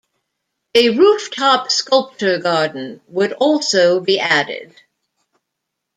A rooftop sculpture garden would also be added.